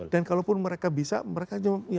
dan kalaupun mereka bisa mereka hanya mendapatkan